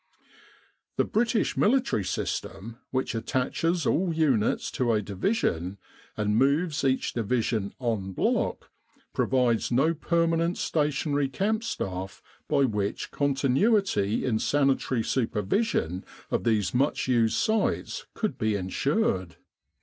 The British military system, which attaches all units to a Division and moves each Division en bloc, provides no permanent stationary camp staff by which continuity in sanitary supervision of these much used sites could be ensured.